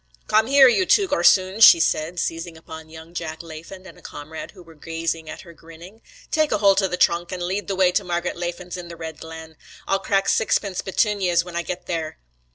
'Come here, you two gorsoons,' she said, seizing upon young Jack Laffan and a comrade who were gazing at her grinning, 'take a hoult o' the thrunk an' lead the way to Margret Laffan's in the Red Glen. I'll crack sixpence betune yez when I get there.'